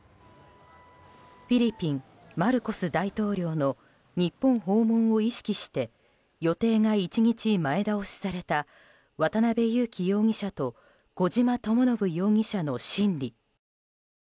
フィリピン、マルコス大統領の日本訪問を意識して予定が１日前倒しされた渡邉優樹容疑者と小島智信容疑者の審理。